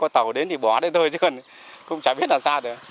tàu đến thì bó đến thôi chứ không chả biết là sao được